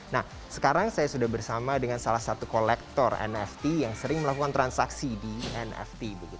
nah sekarang saya sudah bersama dengan salah satu kolektor nft yang sering melakukan transaksi di nft